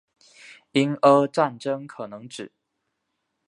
英阿战争可能指